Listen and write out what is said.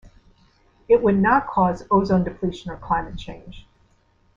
It would not cause ozone depletion or climate change.